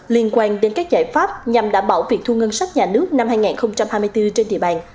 liên quan đến các giải pháp nhằm đảm bảo việc thu ngân sách nhà nước năm hai nghìn hai mươi bốn trên địa bàn